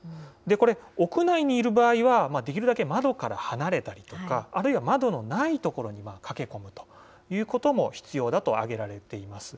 これ、屋内にいる場合は、できるだけ窓から離れたりとか、あるいは窓のない所に駆け込むということも必要だと挙げられています。